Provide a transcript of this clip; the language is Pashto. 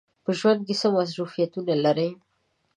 په ژوند کې څه مصروفیتونه لرئ؟